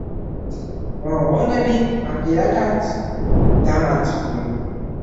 მონღოლები ამჯერადაც დამარცხდნენ.